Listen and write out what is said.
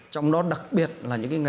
trong đó đặc biệt là những cái nghề